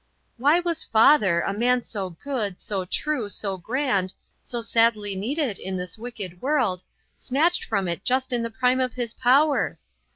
" Why was father, a man so good, so true, so grand, so sadly needed in this wicked world, snatched from it just in the prime of his power